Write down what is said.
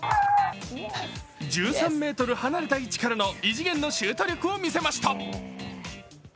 １３ｍ離れた位置からの異次元のシュート力を見せました。